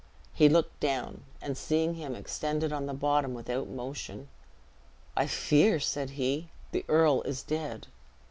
He looked down, and seeing him extended on the bottom without motion, "I fear," said he, "the earl is dead.